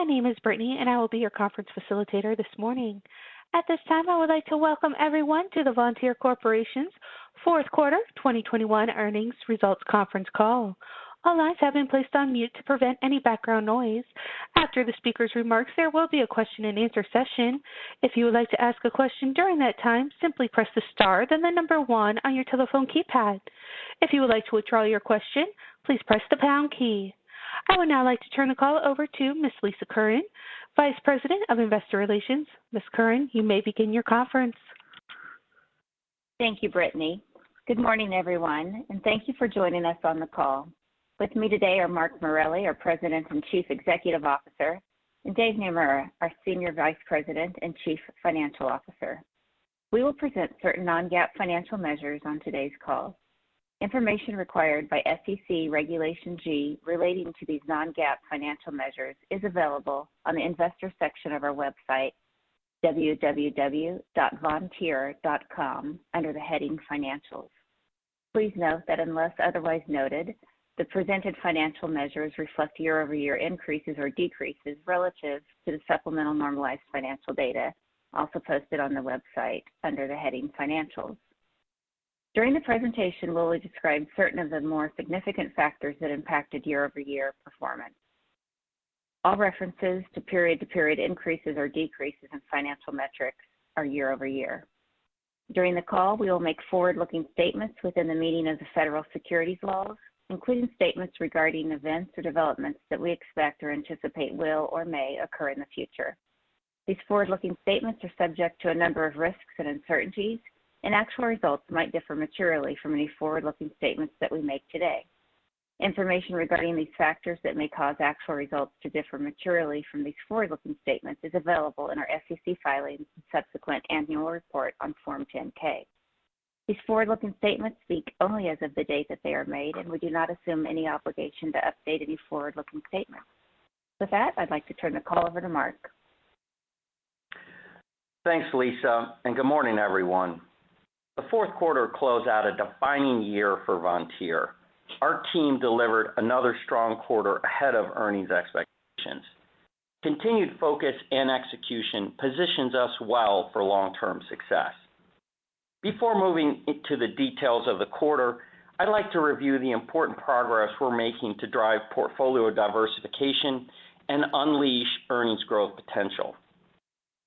My name is Brittany, and I will be your conference facilitator this morning. At this time, I would like to welcome everyone to the Vontier Corporation's fourth quarter 2021 earnings results conference call. All lines have been placed on mute to prevent any background noise. After the speaker's remarks, there will be a question and answer session. If you would like to ask a question during that time, simply press the star then the number one on your telephone keypad. If you would like to withdraw your question, please press the pound key. I would now like to turn the call over to Ms. Lisa Curran, Vice President of Investor Relations. Ms. Curran, you may begin your conference. Thank you, Brittany. Good morning, everyone, and thank you for joining us on the call. With me today are Mark Morelli, our President and Chief Executive Officer, and David Naemura, our Senior Vice President and Chief Financial Officer. We will present certain non-GAAP financial measures on today's call. Information required by SEC Regulation G relating to these non-GAAP financial measures is available on the investor section of our website, www.vontier.com, under the heading Financials. Please note that unless otherwise noted, the presented financial measures reflect year-over-year increases or decreases relative to the supplemental normalized financial data also posted on the website under the heading Financials. During the presentation, we will describe certain of the more significant factors that impacted year-over-year performance. All references to period-to-period increases or decreases in financial metrics are year-over-year. During the call, we will make forward-looking statements within the meaning of the federal securities laws, including statements regarding events or developments that we expect or anticipate will or may occur in the future. These forward-looking statements are subject to a number of risks and uncertainties, and actual results might differ materially from any forward-looking statements that we make today. Information regarding these factors that may cause actual results to differ materially from these forward-looking statements is available in our SEC filings and subsequent annual report on Form 10-K. These forward-looking statements speak only as of the date that they are made, and we do not assume any obligation to update any forward-looking statements. With that, I'd like to turn the call over to Mark. Thanks, Lisa, and good morning, everyone. The fourth quarter closed out a defining year for Vontier. Our team delivered another strong quarter ahead of earnings expectations. Continued focus and execution positions us well for long-term success. Before moving into the details of the quarter, I'd like to review the important progress we're making to drive portfolio diversification and unleash earnings growth potential.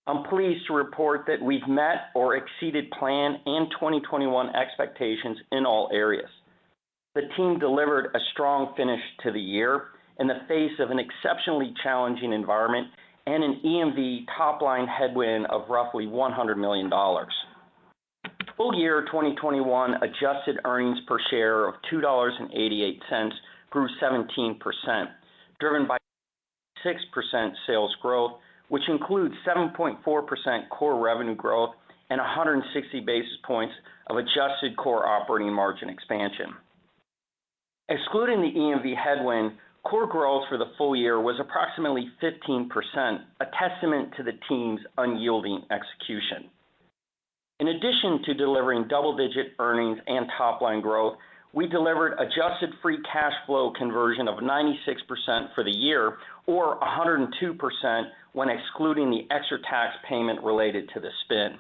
I'm pleased to report that we've met or exceeded plan and 2021 expectations in all areas. The team delivered a strong finish to the year in the face of an exceptionally challenging environment and an EMV top-line headwind of roughly $100 million. Full year 2021 adjusted earnings per share of $2.88 grew 17%, driven by 6% sales growth, which includes 7.4% core revenue growth and 160 basis points of adjusted core operating margin expansion. Excluding the EMV headwind, core growth for the full year was approximately 15%, a testament to the team's unyielding execution. In addition to delivering double-digit earnings and top-line growth, we delivered adjusted free cash flow conversion of 96% for the year or 102% when excluding the extra tax payment related to the spin.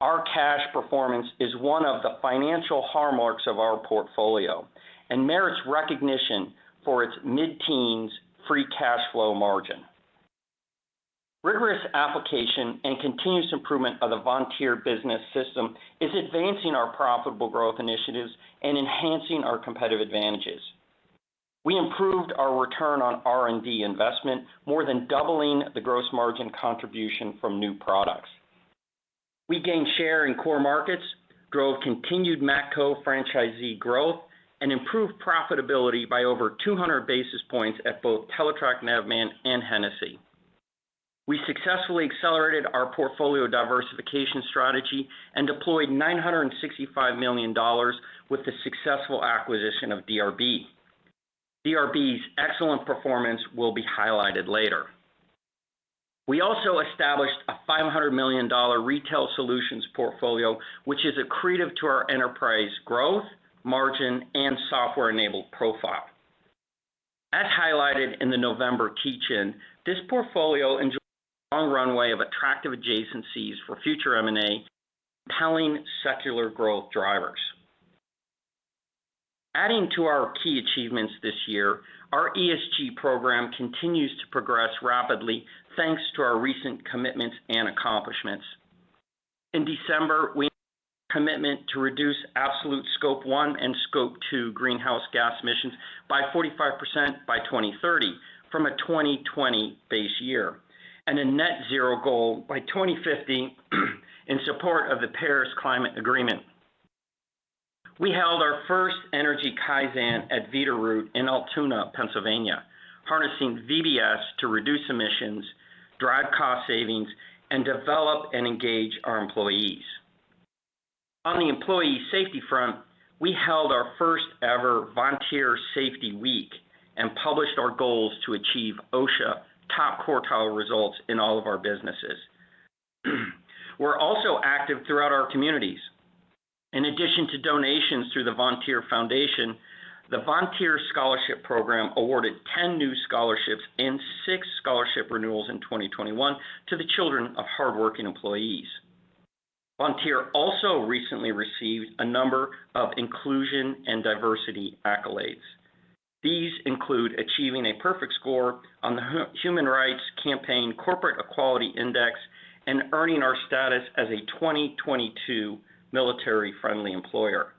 Our cash performance is one of the financial hallmarks of our portfolio and merits recognition for its mid-teens free cash flow margin. Rigorous application and continuous improvement of the Vontier Business System is advancing our profitable growth initiatives and enhancing our competitive advantages. We improved our return on R&D investment, more than doubling the gross margin contribution from new products. We gained share in core markets, drove continued Matco franchisee growth, and improved profitability by over 200 basis points at both Teletrac Navman and Hennessy. We successfully accelerated our portfolio diversification strategy and deployed $965 million with the successful acquisition of DRB. DRB's excellent performance will be highlighted later. We also established a $500 million retail solutions portfolio, which is accretive to our enterprise growth, margin, and software-enabled profile. As highlighted in the November teach-in, this portfolio enjoys a long runway of attractive adjacencies for future M&A and compelling secular growth drivers. Adding to our key achievements this year, our ESG program continues to progress rapidly thanks to our recent commitments and accomplishments. In December, we made a commitment to reduce absolute scope one and scope two greenhouse gas emissions by 45% by 2030 from a 2020 base year and a Net Zero goal by 2050 in support of the Paris Agreement. We held our first energy kaizen at Veeder-Root in Altoona, Pennsylvania, harnessing VBS to reduce emissions, drive cost savings, and develop and engage our employees. On the employee safety front, we held our first ever Volunteer Safety Week and published our goals to achieve OSHA top quartile results in all of our businesses. We're also active throughout our communities. In addition to donations through the Vontier Foundation, the Vontier Scholarship Program awarded 10 new scholarships and 6 scholarship renewals in 2021 to the children of hardworking employees. Vontier also recently received a number of inclusion and diversity accolades. These include achieving a perfect score on the Human Rights Campaign Corporate Equality Index and earning our status as a 2022 military-friendly employer.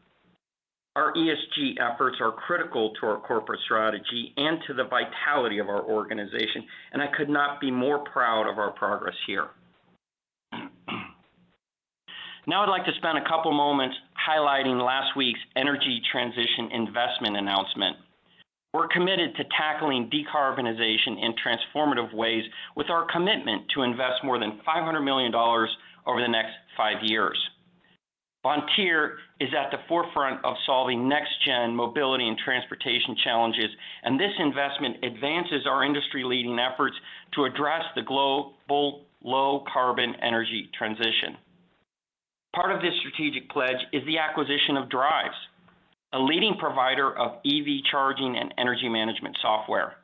Our ESG efforts are critical to our corporate strategy and to the vitality of our organization, and I could not be more proud of our progress here. Now I'd like to spend a couple moments highlighting last week's energy transition investment announcement. We're committed to tackling decarbonization in transformative ways with our commitment to invest more than $500 million over the next five years. Vontier is at the forefront of solving next gen mobility and transportation challenges, and this investment advances our industry-leading efforts to address the global low carbon energy transition. Part of this strategic pledge is the acquisition of Driivz, a leading provider of EV charging and energy management software.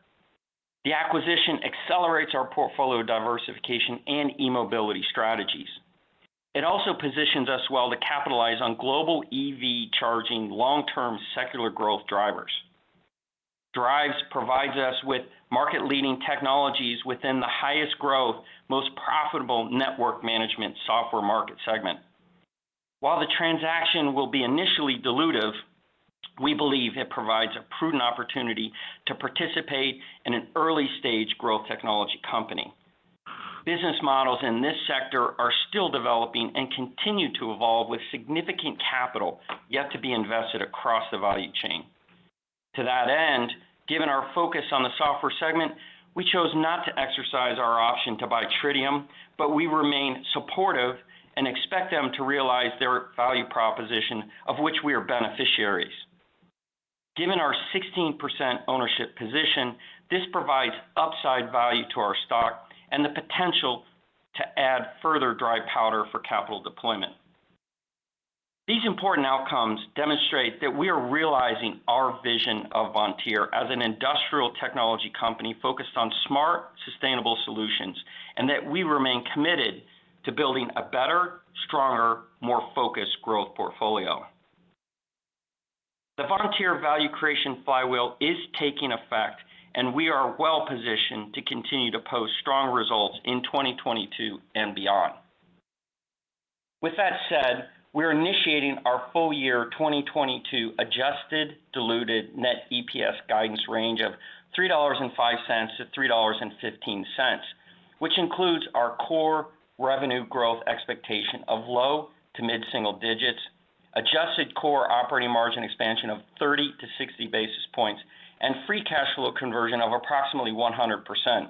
The acquisition accelerates our portfolio diversification and e-mobility strategies. It also positions us well to capitalize on global EV charging long-term secular growth drivers. Driivz provides us with market-leading technologies within the highest growth, most profitable network management software market segment. While the transaction will be initially dilutive, we believe it provides a prudent opportunity to participate in an early-stage growth technology company. Business models in this sector are still developing and continue to evolve with significant capital yet to be invested across the value chain. To that end, given our focus on the software segment, we chose not to exercise our option to buy Tritium, but we remain supportive and expect them to realize their value proposition of which we are beneficiaries. Given our 16% ownership position, this provides upside value to our stock and the potential to add further dry powder for capital deployment. These important outcomes demonstrate that we are realizing our vision of Vontier as an industrial technology company focused on smart, sustainable solutions, and that we remain committed to building a better, stronger, more focused growth portfolio. The Vontier value creation flywheel is taking effect, and we are well positioned to continue to post strong results in 2022 and beyond. With that said, we're initiating our full year 2022 adjusted diluted net EPS guidance range of $3.05-$3.15, which includes our core revenue growth expectation of low- to mid-single digits, adjusted core operating margin expansion of 30-60 basis points, and free cash flow conversion of approximately 100%.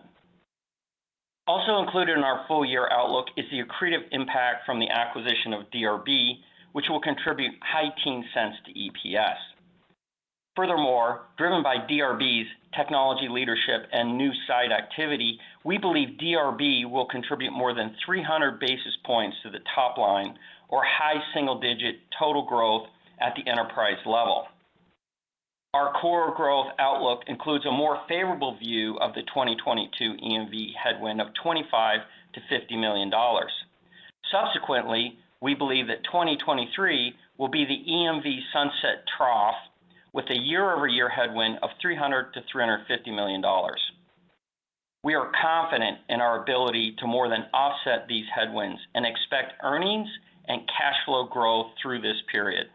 Also included in our full-year outlook is the accretive impact from the acquisition of DRB, which will contribute high-teens cents to EPS. Furthermore, driven by DRB's technology leadership and new site activity, we believe DRB will contribute more than 300 basis points to the top line or high single-digit total growth at the enterprise level. Our core growth outlook includes a more favorable view of the 2022 EMV headwind of $25 million-$50 million. Subsequently, we believe that 2023 will be the EMV sunset trough with a year-over-year headwind of $300 million-$350 million. We are confident in our ability to more than offset these headwinds and expect earnings and cash flow growth through this period.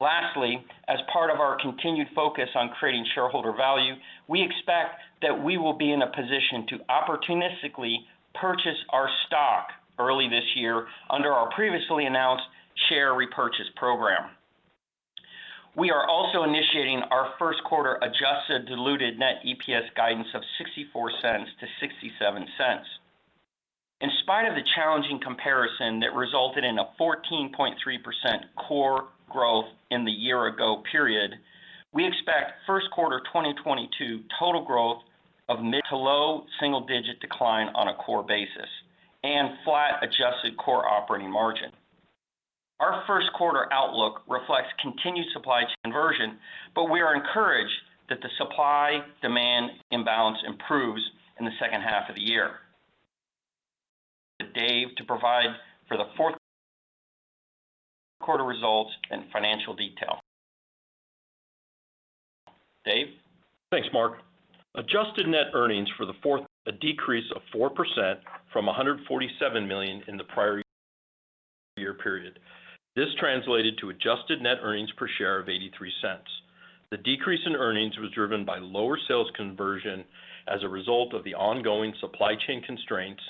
Lastly, as part of our continued focus on creating shareholder value, we expect that we will be in a position to opportunistically purchase our stock early this year under our previously announced share repurchase program. We are also initiating our first quarter adjusted diluted net EPS guidance of $0.64-$0.67. In spite of the challenging comparison that resulted in a 14.3% core growth in the year ago period, we expect first quarter 2022 total growth of mid- to low-single-digit decline on a core basis and flat adjusted core operating margin. Our first quarter outlook reflects continued supply chain conversion, but we are encouraged that the supply-demand imbalance improves in the second half of the year. Dave to provide the fourth quarter results and financial detail. Dave? Thanks, Mark. Adjusted net earnings for the fourth quarter, a decrease of 4% from $147 million in the prior year period. This translated to adjusted net earnings per share of $0.83. The decrease in earnings was driven by lower sales conversion as a result of the ongoing supply chain constraints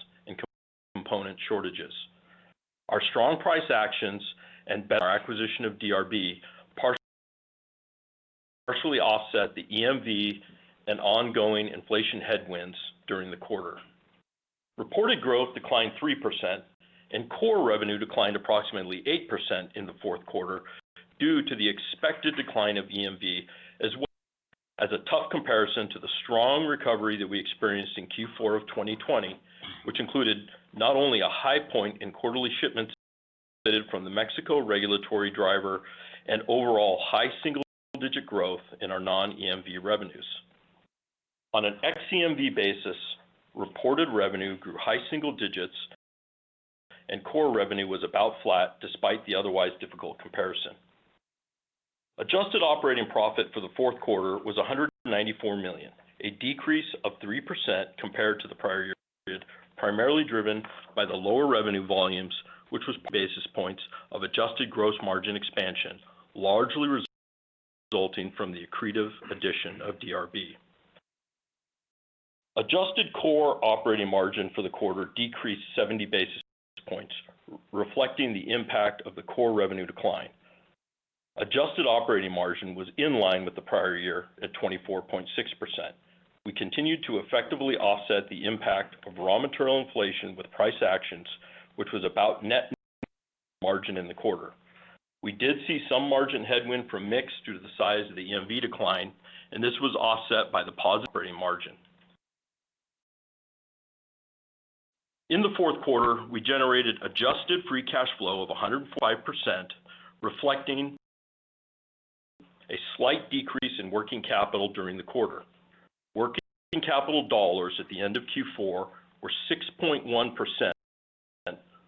and component shortages. Our strong price actions and better acquisition of DRB partially offset the EMV and ongoing inflation headwinds during the quarter. Reported growth declined 3%, and core revenue declined approximately 8% in the fourth quarter due to the expected decline of EMV as well as a tough comparison to the strong recovery that we experienced in Q4 of 2020, which included not only a high point in quarterly shipments benefited from the Mexico regulatory driver and overall high single-digit growth in our non-EMV revenues. On an ex-EMV basis, reported revenue grew high single digits and core revenue was about flat despite the otherwise difficult comparison. Adjusted operating profit for the fourth quarter was $194 million, a decrease of 3% compared to the prior year period, primarily driven by the lower revenue volumes, which was basis points of adjusted gross margin expansion, largely resulting from the accretive addition of DRB. Adjusted core operating margin for the quarter decreased 70 basis points, reflecting the impact of the core revenue decline. Adjusted operating margin was in line with the prior year at 24.6%. We continued to effectively offset the impact of raw material inflation with price actions, which was about net margin in the quarter. We did see some margin headwind from mix due to the size of the EMV decline, and this was offset by the positive operating margin. In the fourth quarter, we generated adjusted free cash flow of 105%, reflecting a slight decrease in working capital during the quarter. Working capital dollars at the end of Q4 were 6.1%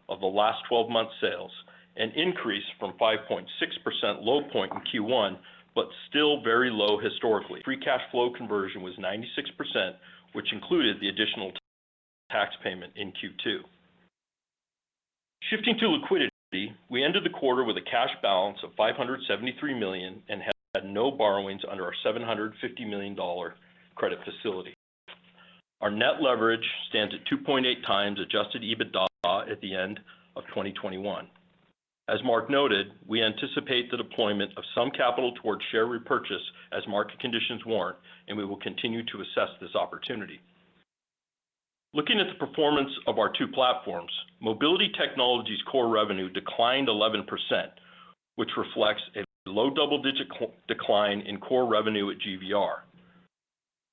of the last 12 months sales, an increase from 5.6% low point in Q1, but still very low historically. Free cash flow conversion was 96%, which included the additional tax payment in Q2. Shifting to liquidity, we ended the quarter with a cash balance of $573 million and had no borrowings under our $750 million credit facility. Our net leverage stands at 2.8x Adjusted EBITDA at the end of 2021. As Mark noted, we anticipate the deployment of some capital towards share repurchase as market conditions warrant, and we will continue to assess this opportunity. Looking at the performance of our two platforms, Mobility Technologies core revenue declined 11%, which reflects a low double-digit decline in core revenue at GVR.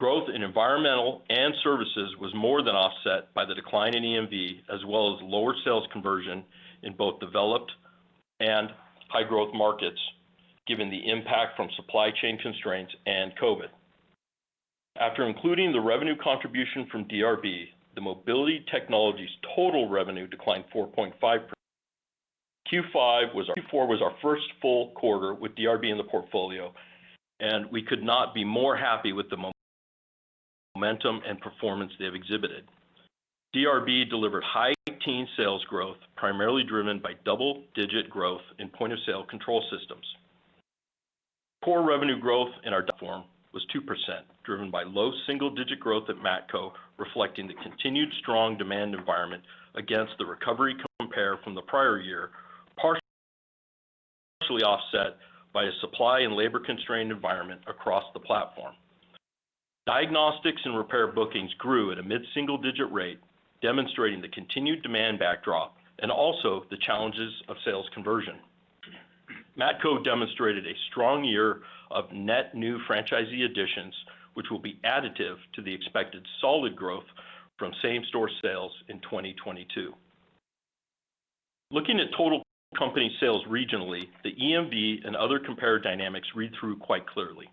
Growth in environmental and services was more than offset by the decline in EMV, as well as lower sales conversion in both developed and high-growth markets, given the impact from supply chain constraints and COVID. After including the revenue contribution from DRB, the Mobility Technologies total revenue declined 4.5%. Q4 was our first full quarter with DRB in the portfolio, and we could not be more happy with the momentum and performance they have exhibited. DRB delivered high-teens sales growth, primarily driven by double-digit growth in point-of-sale control systems. Core revenue growth in our platform was 2%, driven by low single-digit growth at Matco, reflecting the continued strong demand environment against the recovery compare from the prior year, partially offset by a supply and labor constrained environment across the platform. Diagnostics and repair bookings grew at a mid-single digit rate, demonstrating the continued demand backdrop and also the challenges of sales conversion. Matco demonstrated a strong year of net new franchisee additions, which will be additive to the expected solid growth from same-store sales in 2022. Looking at total company sales regionally, the EMV and other compared dynamics read through quite clearly.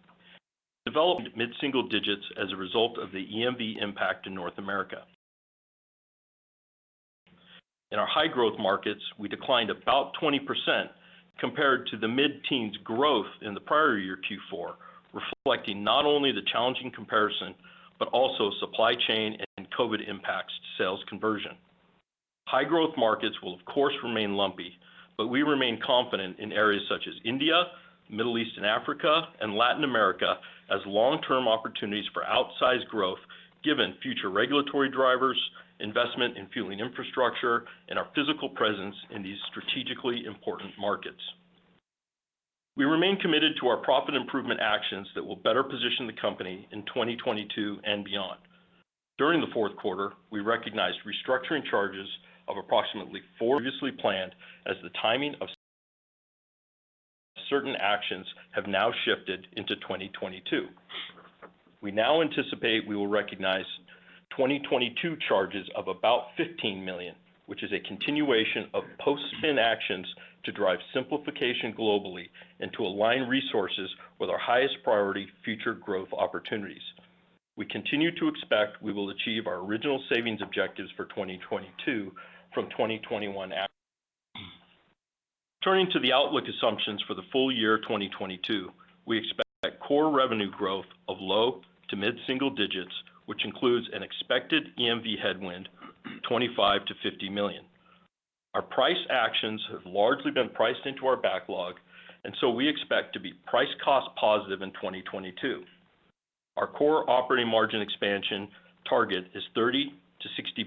Developed mid-single digits as a result of the EMV impact in North America. In our high-growth markets, we declined about 20% compared to the mid-teens growth in the prior year Q4, reflecting not only the challenging comparison, but also supply chain and COVID impacts to sales conversion. High-growth markets will of course remain lumpy, but we remain confident in areas such as India, Middle East and Africa, and Latin America as long-term opportunities for outsized growth given future regulatory drivers, investment in fueling infrastructure, and our physical presence in these strategically important markets. We remain committed to our profit improvement actions that will better position the company in 2022 and beyond. During the fourth quarter, we recognized restructuring charges of approximately $4 million previously planned as the timing of certain actions have now shifted into 2022. We now anticipate we will recognize 2022 charges of about $15 million, which is a continuation of post-spin actions to drive simplification globally and to align resources with our highest priority future growth opportunities. We continue to expect we will achieve our original savings objectives for 2022 from 2021 actions. Turning to the outlook assumptions for the full year 2022, we expect core revenue growth of low- to mid-single-digit, which includes an expected EMV headwind of $25 million-$50 million. Our price actions have largely been priced into our backlog, and so we expect to be price cost positive in 2022. Our core operating margin expansion target is 30-60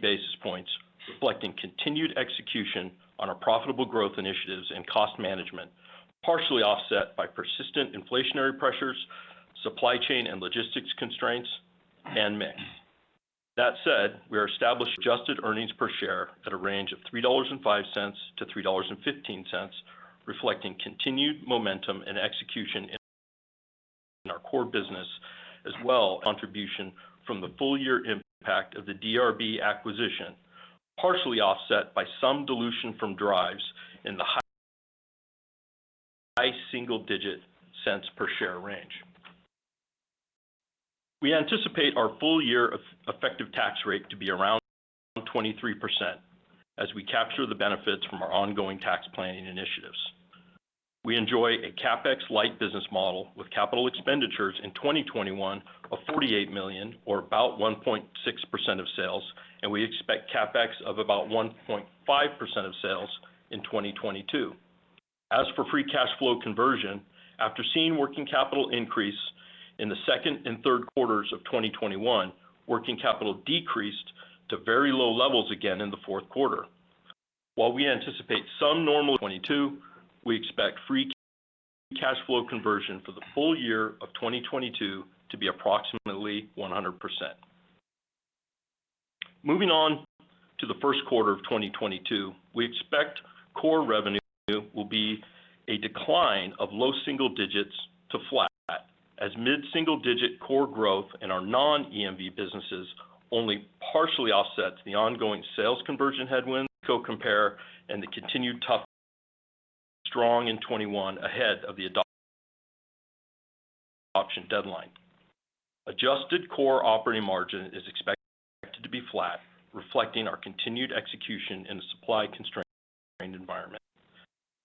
basis points, reflecting continued execution on our profitable growth initiatives and cost management, partially offset by persistent inflationary pressures, supply chain and logistics constraints, and mix. That said, we are establishing adjusted earnings per share at a range of $3.05-$3.15, reflecting continued momentum and execution in our core business as well contribution from the full year impact of the DRB acquisition, partially offset by some dilution from Driivz in the high single-digit cents per share range. We anticipate our full year effective tax rate to be around 23% as we capture the benefits from our ongoing tax planning initiatives. We enjoy a CapEx light business model with capital expenditures in 2021 of $48 million or about 1.6% of sales, and we expect CapEx of about 1.5% of sales in 2022. As for free cash flow conversion, after seeing working capital increase in the second and third quarters of 2021, working capital decreased to very low levels again in the fourth quarter. While we anticipate some normalcy in 2022, we expect free cash flow conversion for the full year of 2022 to be approximately 100%. Moving on to the first quarter of 2022, we expect core revenue will be a decline of low single digits to flat as mid-single digit core growth in our non-EMV businesses only partially offsets the ongoing sales conversion headwinds, comp year-over-year, and the continued toughness compared to strong in 2021 ahead of the adoption deadline. Adjusted core operating margin is expected to be flat, reflecting our continued execution in a supply-constrained environment.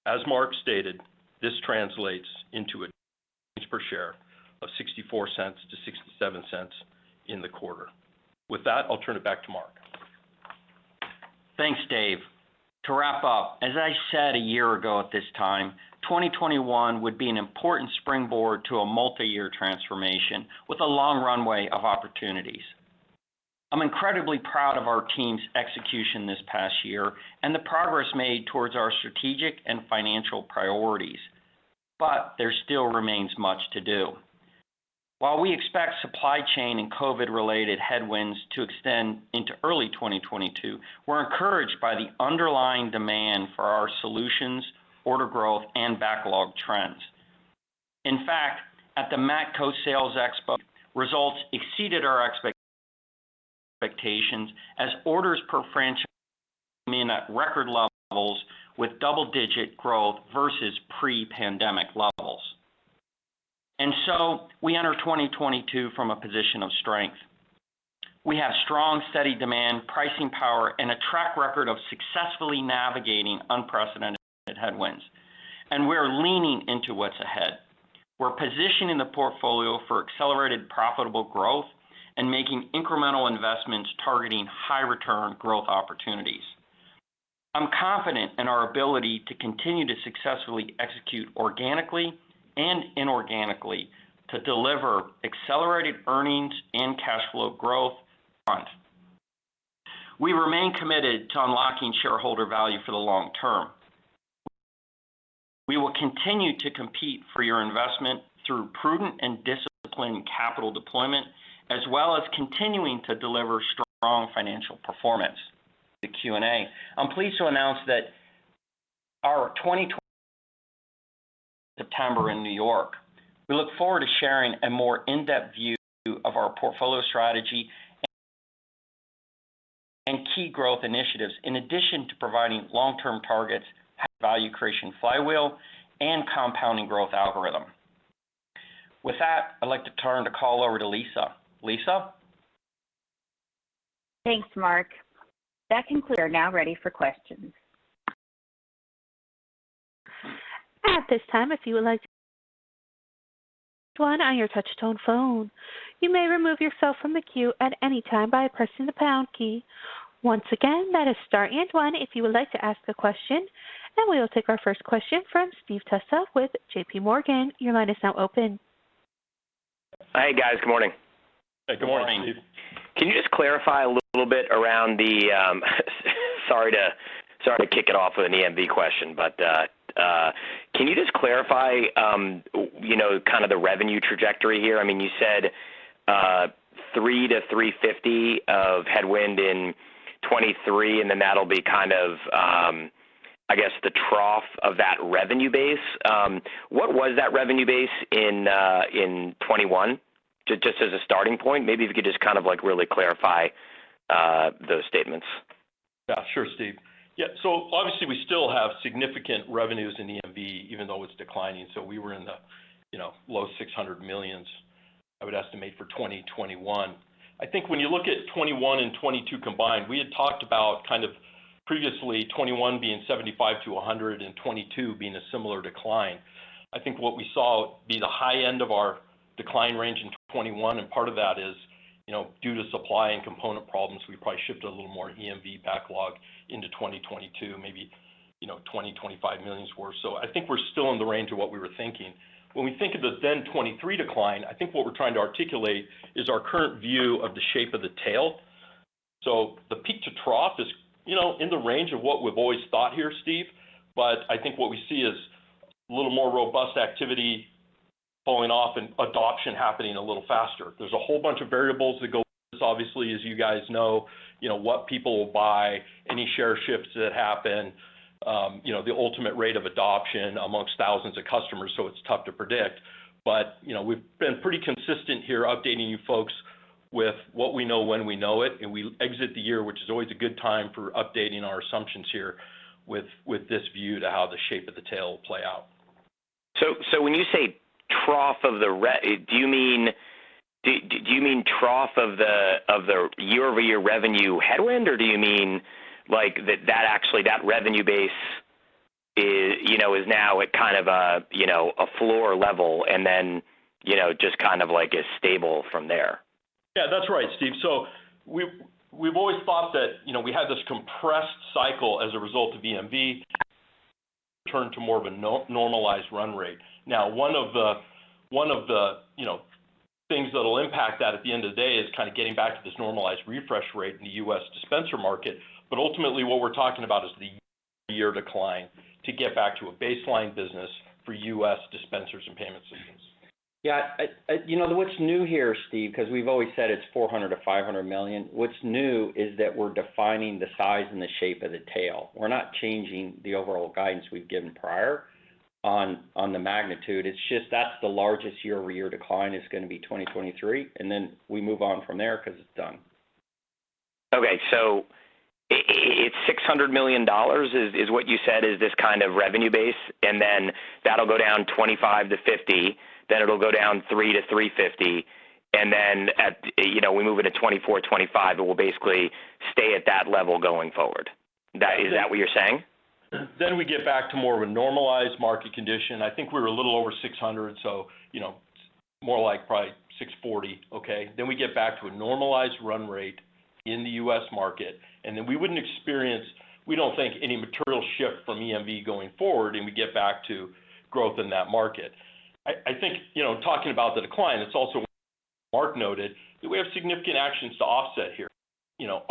As Mark stated, this translates into earnings per share of $0.64-$0.67 in the quarter. With that, I'll turn it back to Mark. Thanks, Dave Naemura. To wrap up, as I said a year ago at this time, 2021 would be an important springboard to a multi-year transformation with a long runway of opportunities. I'm incredibly proud of our team's execution this past year and the progress made towards our strategic and financial priorities. There still remains much to do. While we expect supply chain and COVID-related headwinds to extend into early 2022, we're encouraged by the underlying demand for our solutions, order growth, and backlog trends. In fact, at the Matco Tools Expo, results exceeded our expectations as orders per franchisee came in at record levels with double-digit growth versus pre-pandemic levels. We enter 2022 from a position of strength. We have strong, steady demand, pricing power, and a track record of successfully navigating unprecedented headwinds, and we are leaning into what's ahead. We're positioning the portfolio for accelerated profitable growth and making incremental investments targeting high return growth opportunities. I'm confident in our ability to continue to successfully execute organically and inorganically to deliver accelerated earnings and cash flow growth going forward. We remain committed to unlocking shareholder value for the long term. We will continue to compete for your investment through prudent and disciplined capital deployment, as well as continuing to deliver strong financial performance. The Q&A. I'm pleased to announce that our 2022 Virtual Investor Day will be held in September in New York. We look forward to sharing a more in-depth view of our portfolio strategy and key growth initiatives in addition to providing long-term targets, value creation flywheel, and compounding growth algorithm. With that, I'd like to turn the call over to Lisa. Lisa? Thanks, Mark. That concludes our prepared remarks. We are now ready for questions. At this time, if you would like to ask one on your touch-tone phone. You may remove yourself from the queue at any time by pressing the pound key. Once again, that is star and one if you would like to ask a question, and we will take our first question from Steve Tusa with J.P. Morgan. Your line is now open. Hi, guys. Good morning. Good morning, Steve. Good morning. Can you just clarify a little bit around the sorry to kick it off with an EMV question, but can you just clarify, you know, kind of the revenue trajectory here? I mean, you said $300 million-$350 million of headwind in 2023, and then that'll be kind of, I guess, the trough of that revenue base. What was that revenue base in 2021? Just as a starting point, maybe if you could just kind of like really clarify those statements. Yeah, sure, Steve. Yeah. Obviously, we still have significant revenues in EMV even though it's declining. We were in the, you know, low $600 million, I would estimate, for 2021. I think when you look at 2021 and 2022 combined, we had talked about kind of previously 2021 being $75 million-$100 million, and 2022 being a similar decline. I think what we saw was the high end of our decline range in 2021, and part of that is, you know, due to supply and component problems. We probably shifted a little more EMV backlog into 2022, maybe, you know, $20 million-$25 million worth. I think we're still in the range of what we were thinking. When we think of the end 2023 decline, I think what we're trying to articulate is our current view of the shape of the tail. The peak to trough is, you know, in the range of what we've always thought here, Steve. I think what we see is a little more robust activity falling off and adoption happening a little faster. There's a whole bunch of variables that go, obviously, as you guys know, you know, what people will buy, any share shifts that happen, you know, the ultimate rate of adoption amongst thousands of customers, so it's tough to predict. You know, we've been pretty consistent here updating you folks with what we know when we know it, and we exit the year, which is always a good time for updating our assumptions here, with this view to how the shape of the tail will play out. When you say trough of the, do you mean trough of the year-over-year revenue headwind, or do you mean, like, that actually that revenue base is, you know, is now at kind of a, you know, a floor level, and then, you know, just kind of like is stable from there? Yeah, that's right, Steve. We've always thought that, you know, we had this compressed cycle as a result of EMV, turned to more of a normalized run rate. Now, one of the, you know, things that'll impact that at the end of the day is kind of getting back to this normalized refresh rate in the U.S. dispenser market. Ultimately, what we're talking about is the year decline to get back to a baseline business for U.S. dispensers and payment systems. Yeah, you know, what's new here, Steve, 'cause we've always said it's $400 million-$500 million. What's new is that we're defining the size and the shape of the tail. We're not changing the overall guidance we've given prior on the magnitude. It's just that's the largest year-over-year decline is gonna be 2023, and then we move on from there 'cause it's done. Okay. It's $600 million, is what you said, this kind of revenue base, and then that'll go down $25 million-$50 million, then it'll go down $30 million-$350 million, and then, you know, we move into 2024, 2025, it will basically stay at that level going forward. Is that what you're saying? We get back to more of a normalized market condition. I think we're a little over $600 million, so, you know, more like probably $640 million. Okay? We get back to a normalized run rate in the U.S. market. We wouldn't experience, we don't think, any material shift from EMV going forward, and we get back to growth in that market. I think, you know, talking about the decline, it's also as Mark noted that we have significant actions to offset here. You know,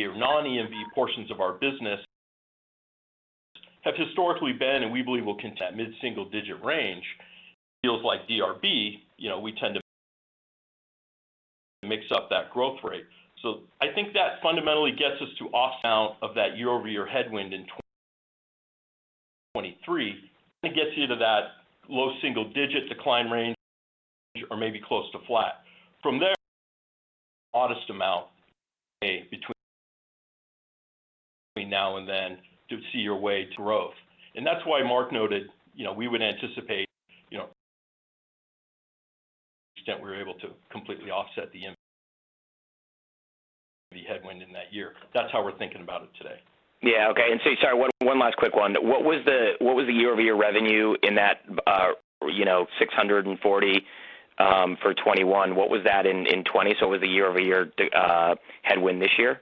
our ex-EMV or non-EMV portions of our business have historically been, and we believe will continue at mid-single-digit range. Feels like DRB, you know, we tend to make up that growth rate. I think that fundamentally gets us to a soft amount of that year-over-year headwind in 2023, and it gets you to that low single-digit decline range or maybe close to flat. From there, modest amount between now and then to see your way to growth. That's why Mark noted, you know, we would anticipate, you know, to the extent we're able to completely offset the EMV headwind in that year. That's how we're thinking about it today. Yeah. Okay. Steve, sorry, one last quick one. What was the year-over-year revenue in that $640 million for 2021? What was that in 2020? It was a year-over-year headwind this year?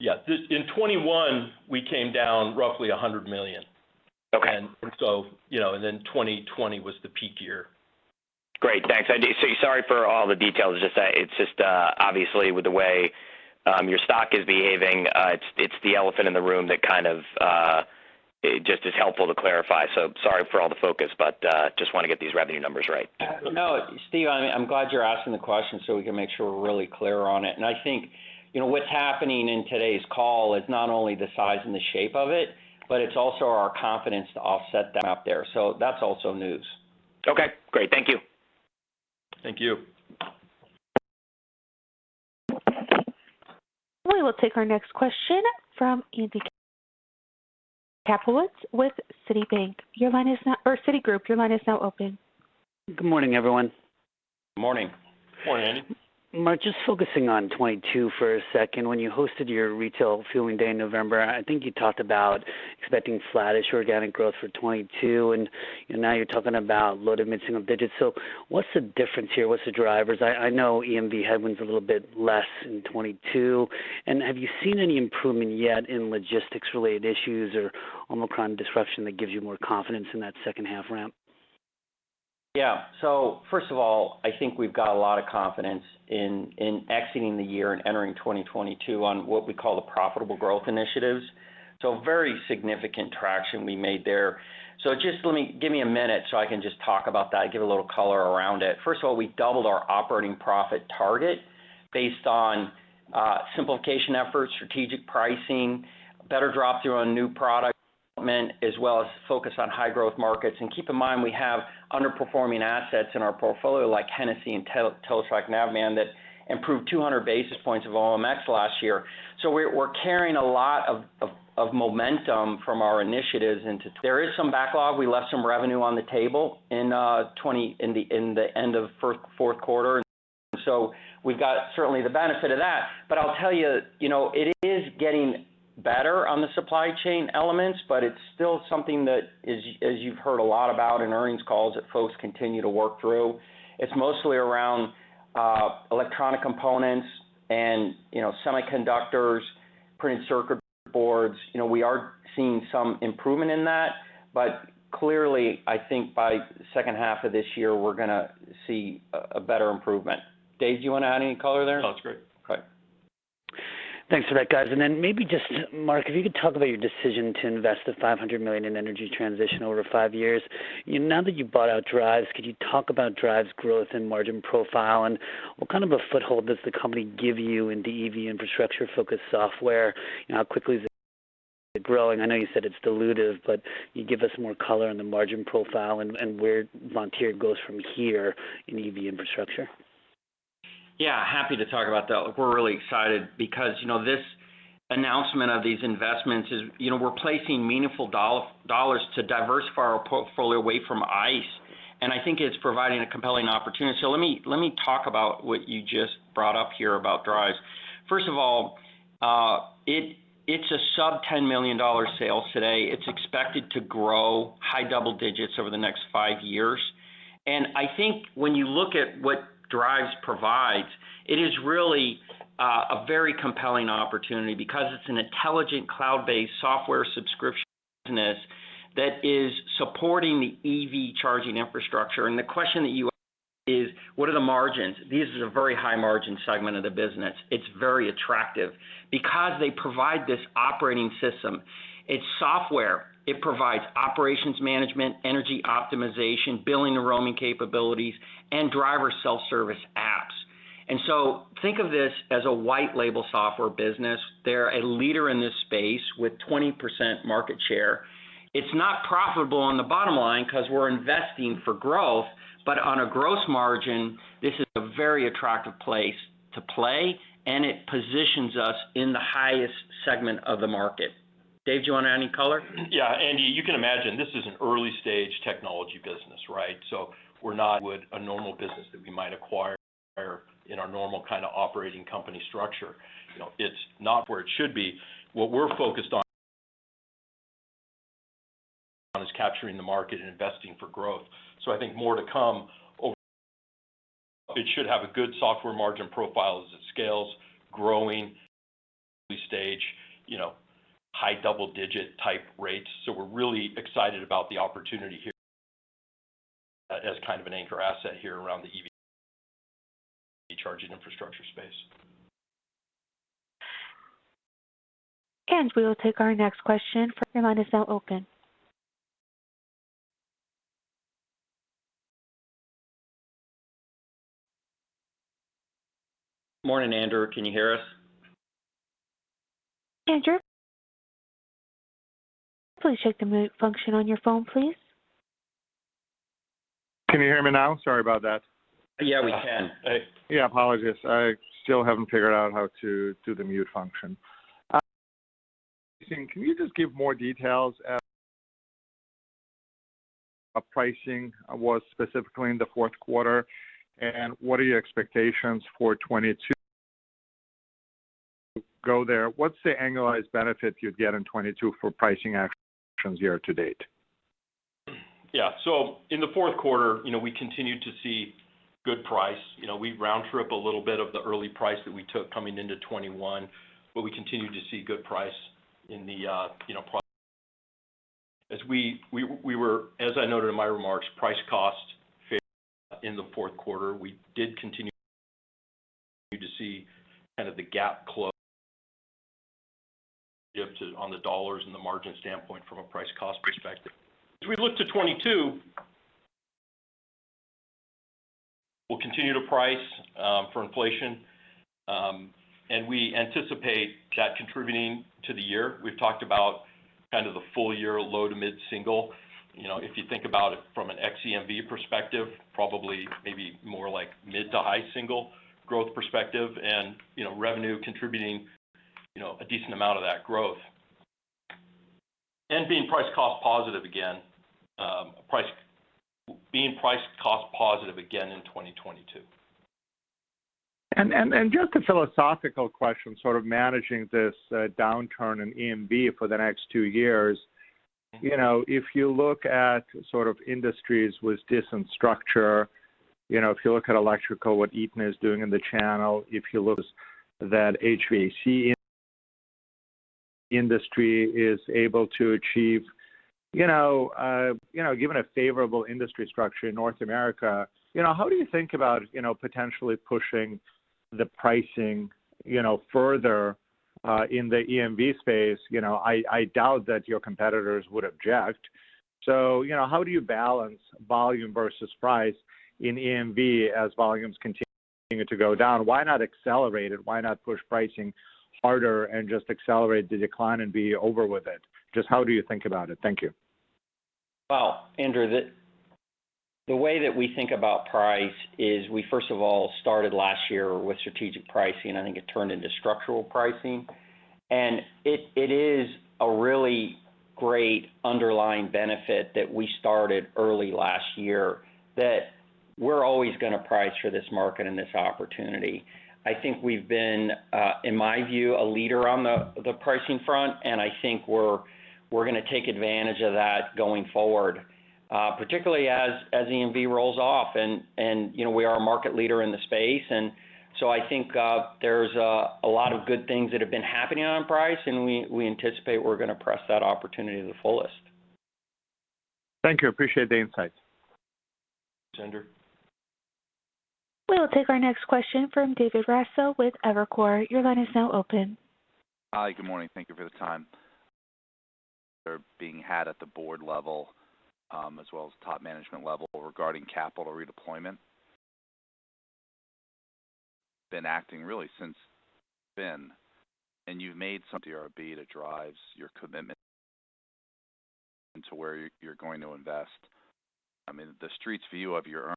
In 2021, we came down roughly $100 million. Okay. You know, and then 2020 was the peak year. Great. Thanks. Sorry for all the details. Just, it's just obviously with the way your stock is behaving, it's the elephant in the room that kind of it just is helpful to clarify. Sorry for all the focus, but just wanna get these revenue numbers right. No, Steve, I'm glad you're asking the question so we can make sure we're really clear on it. I think, you know, what's happening in today's call is not only the size and the shape of it, but it's also our confidence to offset that out there. That's also news. Okay, great. Thank you. Thank you. We will take our next question from Andy Kaplowitz with Citigroup. Your line is now open. Good morning, everyone. Morning. Morning, Andy. Mark, just focusing on 2022 for a second. When you hosted your Retail Fueling Day in November, I think you talked about expecting flattish organic growth for 2022, and now you're talking about low- to mid-single-digit (sale). What's the difference here? What's the drivers? I know EMV headwind's a little bit less in 2022. Have you seen any improvement yet in logistics-related issues or Omicron disruption that gives you more confidence in that second-half ramp? Yeah. First of all, I think we've got a lot of confidence in exiting the year and entering 2022 on what we call the profitable growth initiatives. Very significant traction we made there. Just give me a minute, I can just talk about that and give a little color around it. First of all, we doubled our operating profit target based on simplification efforts, strategic pricing, better drop-through on new product development, as well as focus on high growth markets. Keep in mind we have underperforming assets in our portfolio like Hennessy and Teletrac Navman that improved 200 basis points of OMX last year. We're carrying a lot of momentum from our initiatives. There is some backlog. We left some revenue on the table in the end of fourth quarter. We've got certainly the benefit of that. I'll tell you know, it is getting better on the supply chain elements, but it's still something that is, as you've heard a lot about in earnings calls, that folks continue to work through. It's mostly around electronic components and, you know, semiconductors, printed circuit boards. You know, we are seeing some improvement in that, but clearly, I think by second half of this year, we're gonna see a better improvement. Dave, do you wanna add any color there? No, that's great. Okay. Thanks for that, guys. Maybe just, Mark, if you could talk about your decision to invest $500 million in energy transition over 5 years. You know, now that you bought out Driivz, could you talk about Driivz growth and margin profile? What kind of a foothold does the company give you in the EV infrastructure-focused software? How quickly is it growing? I know you said it's dilutive, but can you give us more color on the margin profile and where Vontier goes from here in EV infrastructure. Yeah, happy to talk about that. We're really excited because, you know, this announcement of these investments is, you know, we're placing meaningful dollars to diversify our portfolio away from ICE, and I think it's providing a compelling opportunity. Let me talk about what you just brought up here about Driivz. First of all, it's a sub-$10 million sales today. It's expected to grow high double digits over the next five years. I think when you look at what Driivz provides, it is really a very compelling opportunity because it's an intelligent cloud-based software subscription business that is supporting the EV charging infrastructure. The question that you asked is, what are the margins? This is a very high-margin segment of the business. It's very attractive. Because they provide this operating system, it's software. It provides operations management, energy optimization, billing and roaming capabilities, and driver self-service apps. Think of this as a white label software business. They're a leader in this space with 20% market share. It's not profitable on the bottom line because we're investing for growth, but on a gross margin, this is a very attractive place to play, and it positions us in the highest segment of the market. Dave, do you want to add any color? Yeah. Andy, you can imagine this is an early-stage technology business, right? We're not with a normal business that we might acquire in our normal kind of operating company structure. You know, it's not where it should be. What we're focused on is capturing the market and investing for growth. I think more to come over. It should have a good software margin profile as it scales, growing early stage, you know, high double-digit type rates. We're really excited about the opportunity here as kind of an anchor asset here around the EV charging infrastructure space. We will take our next question. Your line is now open. Morning, Andrew. Can you hear us? Andrew? Please check the mute function on your phone, please. Can you hear me now? Sorry about that. Yeah, we can. Hey. Yeah, apologies. I still haven't figured out how to do the mute function. Can you just give more details as to pricing was specifically in the fourth quarter? What are your expectations for 2022 going forward there? What's the annualized benefit you'd get in 2022 for pricing actions year to date? Yeah. In the fourth quarter, you know, we continued to see good price. You know, we round-trip a little bit of the early price that we took coming into 2021, but we continued to see good price in the, you know, as I noted in my remarks, price-cost fair in the fourth quarter. We did continue to see kind of the gap close on the dollars and the margin standpoint from a price-cost perspective. As we look to 2022, we'll continue to price for inflation, and we anticipate that contributing to the year. We've talked about kind of the full-year low- to mid-single. You know, if you think about it from an ex-EMV perspective, probably maybe more like mid- to high-single growth perspective and, you know, revenue contributing, you know, a decent amount of that growth. Being price cost positive again in 2022. Just a philosophical question, sort of managing this downturn in EMV for the next two years. You know, if you look at sort of industries with decent structure, you know, if you look at electrical, what Eaton is doing in the channel, if you look at what the HVAC industry is able to achieve, you know, given a favorable industry structure in North America, you know, how do you think about, you know, potentially pushing the pricing, you know, further in the EMV space? You know, I doubt that your competitors would object. You know, how do you balance volume versus price in EMV as volumes continue to go down? Why not accelerate it? Why not push pricing harder and just accelerate the decline and be over with it? Just how do you think about it? Thank you. Well, Andrew, the way that we think about price is we first of all started last year with strategic pricing. I think it turned into structural pricing. It is a really great underlying benefit that we started early last year that we're always gonna price for this market and this opportunity. I think we've been in my view, a leader on the pricing front, and I think we're gonna take advantage of that going forward, particularly as EMV rolls off and you know, we are a market leader in the space. I think there's a lot of good things that have been happening on price, and we anticipate we're gonna press that opportunity to the fullest. Thank you. Appreciate the insights. Thanks Andrew. We will take our next question from David Raso with Evercore. Your line is now open. Hi. Good morning. Thank you for the time. Discussions are being had at the board level, as well as top management level regarding capital redeployment. You've been acting really since then, and you've made some DRB to Driivz your commitment to where you're going to invest. I mean, the street's view of your earnings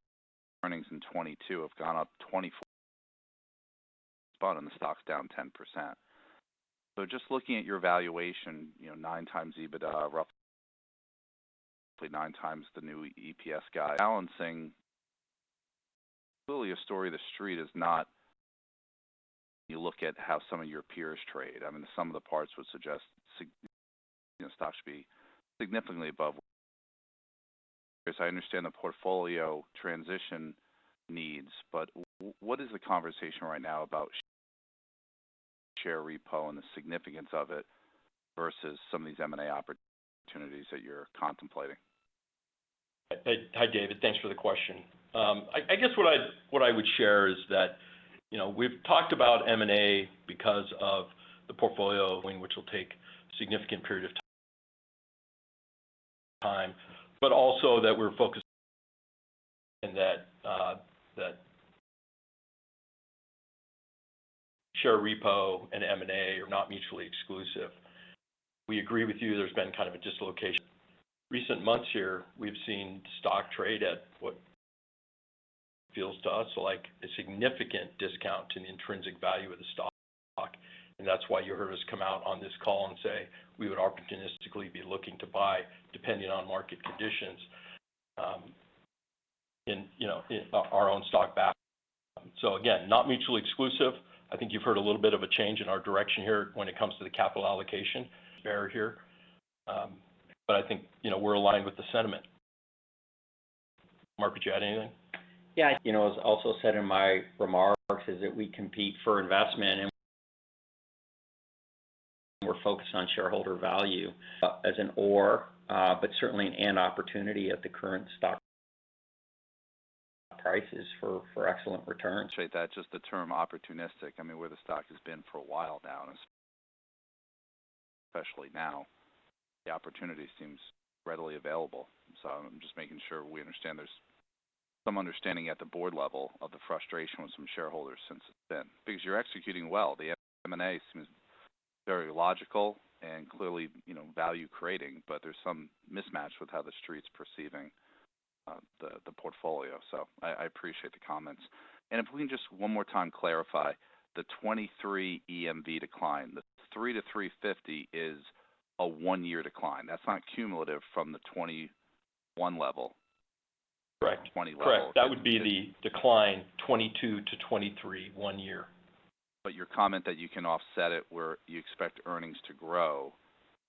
in 2022 have gone up 24%, but the stock's down 10%. Just looking at your valuation, you know, 9x EBITDA, roughly 9x the new EPS guide. Valuation clearly a story the street is not. You look at how some of your peers trade. I mean, some of the parts would suggest, you know, stock should be significantly above. As I understand the portfolio transition needs, but what is the conversation right now about share repurchase and the significance of it versus some of these M&A opportunities that you're contemplating? Hi, David. Thanks for the question. I guess what I would share is that, you know, we've talked about M&A because of the portfolio which will take significant period of time. Also that we're focused and that share repo and M&A are not mutually exclusive. We agree with you. There's been kind of a dislocation. In recent months here, we've seen stock trade at what feels to us like a significant discount to the intrinsic value of the stock. That's why you heard us come out on this call and say we would opportunistically be looking to buy back depending on market conditions, you know, in our own stock. Again, not mutually exclusive. I think you've heard a little bit of a change in our direction here when it comes to the capital allocation. Fair here. I think, you know, we're aligned with the sentiment. Mark, would you add anything? Yeah. You know, as I also said in my remarks, is that we compete for investment and we're focused on shareholder value as an or, but certainly an and opportunity at the current stock prices for excellent returns. Appreciate that. Just the term opportunistic, I mean, where the stock has been for a while now, and especially now, the opportunity seems readily available. I'm just making sure we understand there's some understanding at the board level of the frustration with some shareholders since it's been. Because you're executing well. The M&A seems very logical and clearly, you know, value creating, but there's some mismatch with how the street's perceiving the portfolio. I appreciate the comments. If we can just one more time clarify the 2023 EMV decline. The 3% to 3.5% is a one-year decline. That's not cumulative from the 2021 level. Correct. 2020 level. Correct. That would be the decline 2022-2023, one year. Your comment that you can offset it where you expect earnings to grow,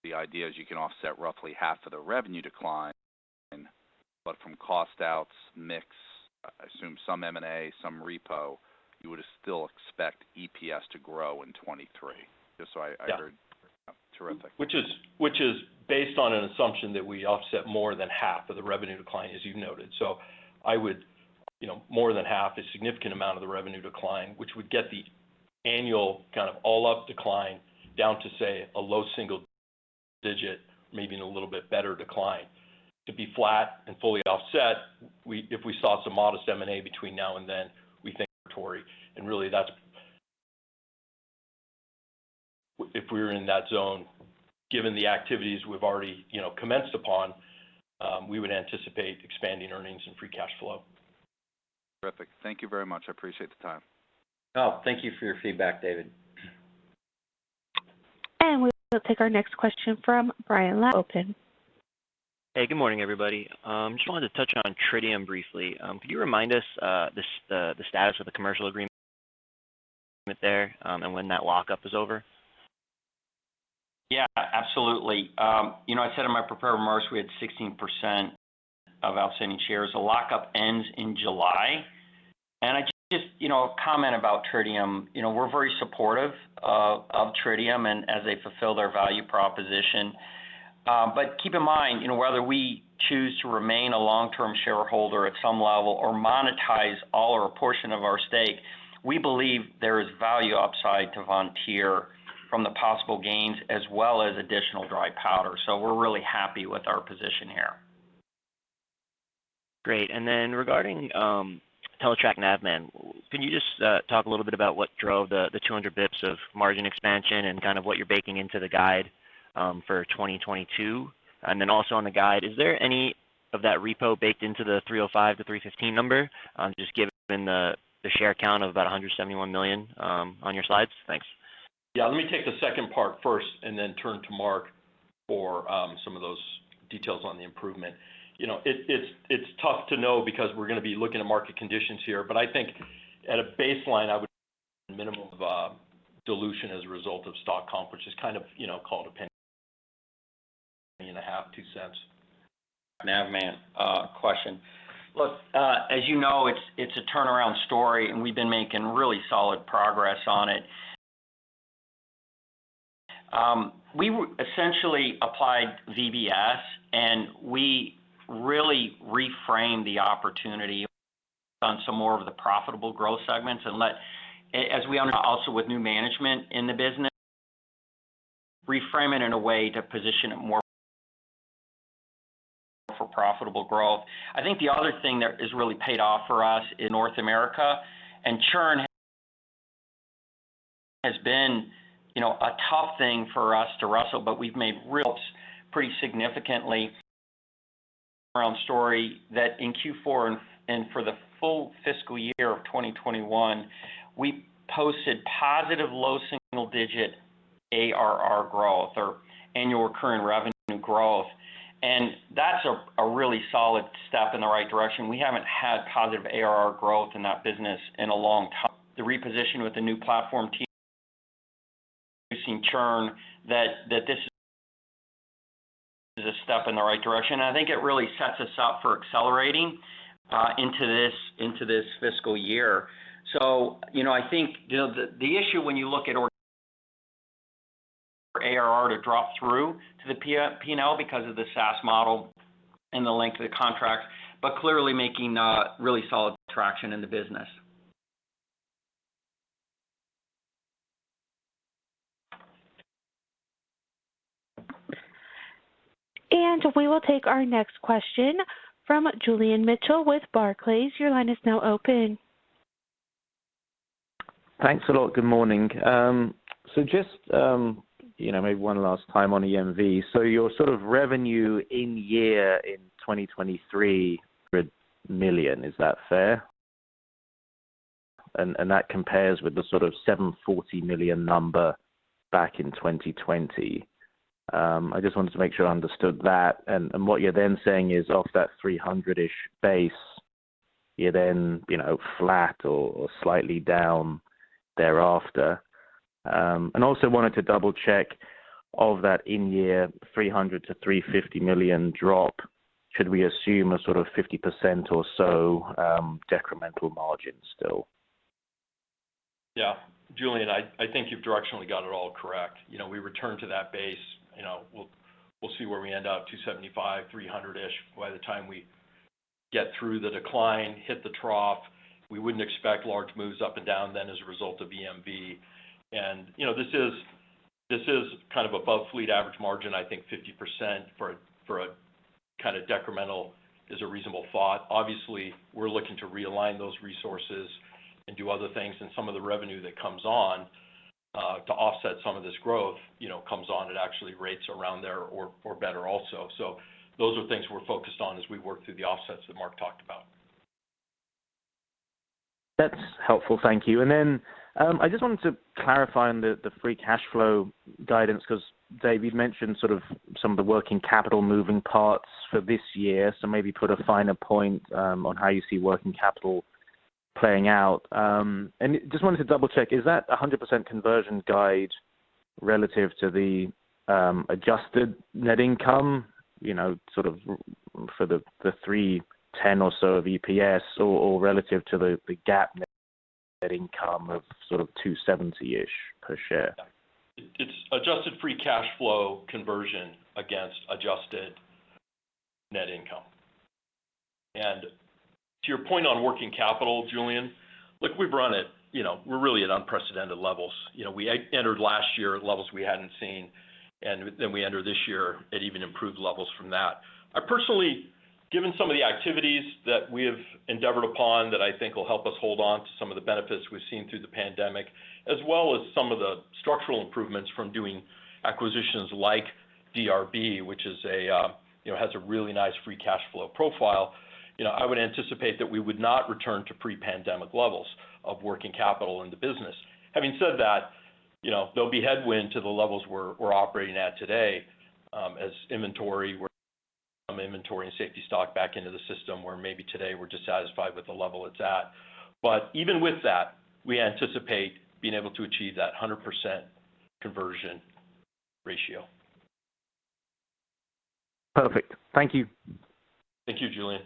the idea is you can offset roughly half of the revenue decline, but from cost outs, mix, I assume some M&A, some repo, you would still expect EPS to grow in 2023. Just so I- Yeah. I heard. Terrific. Which is based on an assumption that we offset more than half of the revenue decline, as you noted. I would, you know, more than half a significant amount of the revenue decline, which would get the annual kind of all up decline down to, say, a low single digit, maybe a little bit better decline. To be flat and fully offset, if we saw some modest M&A between now and then, (we think, Tory), and really that's. If we were in that zone, given the activities we've already, you know, commenced upon, we would anticipate expanding earnings and free cash flow. Terrific. Thank you very much. I appreciate the time. No, thank you for your feedback, David. We will take our next question from Brian Lau. Hey, good morning, everybody. Just wanted to touch on Tritium briefly. Could you remind us the status of the commercial agreement there, and when that lockup is over? Yeah, absolutely. You know, I said in my prepared remarks we had 16% of outstanding shares. The lockup ends in July. I just, you know, comment about Tritium, you know, we're very supportive of Tritium and as they fulfill their value proposition. Keep in mind, you know, whether we choose to remain a long-term shareholder at some level or monetize all or a portion of our stake, we believe there is value upside to Vontier from the possible gains as well as additional dry powder. We're really happy with our position here. Great. Regarding Teletrac Navman, can you just talk a little bit about what drove the 200 bits of margin expansion and kind of what you're baking into the guide for 2022? Also on the guide, is there any of that repo baked into the $3.05-$3.15 number just given the share count of about 171 million on your slides? Thanks. Yeah. Let me take the second part first and then turn to Mark for some of those details on the improvement. You know, it's tough to know because we're gonna be looking at market conditions here. I think at a baseline, I would minimum of dilution as a result of stock comp, which is kind of, you know, called $0.015-$0.02. Navman, question. Look, as you know, it's a turnaround story and we've been making really solid progress on it. We essentially applied VBS and we really reframed the opportunity on some more of the profitable growth segments. As we also with new management in the business, reframe it in a way to position it more for profitable growth. I think the other thing that has really paid off for us in North America, and churn has been, you know, a tough thing for us to wrestle, but we've made really significant progress so that in Q4 and for the full fiscal year of 2021, we posted positive low single-digit ARR growth or annual current revenue growth. That's a really solid step in the right direction. We haven't had positive ARR growth in that business in a long time. The reposition with the new platform team, reducing churn that this is a step in the right direction, and I think it really sets us up for accelerating into this fiscal year. You know, I think, you know, the issue when you look at our ARR to drop through to the P&L because of the SaaS model and the length of the contract, but clearly making really solid traction in the business. We will take our next question from Julian Mitchell with Barclays. Your line is now open. Thanks a lot. Good morning. Just, you know, maybe one last time on EMV. Your sort of $300 million revenue in 2023. Is that fair? That compares with the sort of $740 million number back in 2020. I just wanted to make sure I understood that. What you're then saying is off that $300 million-ish base, you're then, you know, flat or slightly down thereafter. Also wanted to double check of that in-year $300 million-$350 million drop, should we assume a sort of 50% or so decremental margin still? Yeah. Julian, I think you've directionally got it all correct. You know, we return to that base, you know, we'll see where we end up, $275 million, $300 million-ish by the time we get through the decline, hit the trough. We wouldn't expect large moves up and down then as a result of EMV. You know, this is kind of above fleet average margin, I think 50% for a kind of decremental is a reasonable thought. Obviously, we're looking to realign those resources and do other things, and some of the revenue that comes on to offset some of this growth, you know, comes on at actually rates around there or better also. Those are things we're focused on as we work through the offsets that Mark talked about. That's helpful. Thank you. I just wanted to clarify on the free cash flow guidance because Dave, you'd mentioned sort of some of the working capital moving parts for this year. Maybe put a finer point on how you see working capital playing out. I just wanted to double check, is that 100% conversion guide relative to the adjusted net income, you know, sort of for the $3.10 or so of EPS or relative to the GAAP net income of sort of $2.70-ish per share? It's adjusted free cash flow conversion against adjusted net income. To your point on working capital, Julian, look, we've run it, you know, we're really at unprecedented levels. You know, we entered last year at levels we hadn't seen, and then we enter this year at even improved levels from that. I personally, given some of the activities that we have endeavored upon that I think will help us hold on to some of the benefits we've seen through the pandemic, as well as some of the structural improvements from doing acquisitions like DRB, which is a, you know, has a really nice free cash flow profile. You know, I would anticipate that we would not return to pre-pandemic levels of working capital in the business. Having said that, you know, there'll be headwinds to the levels we're operating at today, as inventory and safety stock back into the system where maybe today we're dissatisfied with the level it's at. But even with that, we anticipate being able to achieve that 100% conversion ratio. Perfect. Thank you. Thank you, Julian.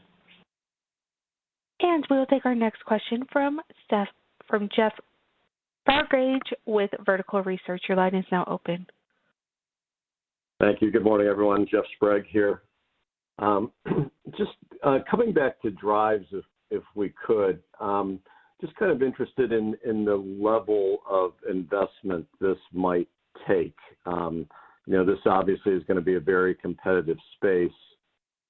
We will take our next question from Jeff Sprague with Vertical Research. Your line is now open. Thank you. Good morning, everyone. Jeff Sprague here. Just coming back to Driivz if we could, just kind of interested in the level of investment this might take. You know, this obviously is gonna be a very competitive space.